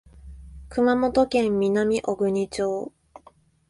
熊本県南小国町